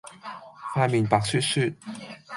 塊面白雪雪